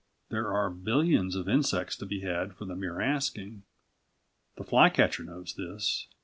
There are billions of insects to be had for the mere asking. The fly catcher knows this.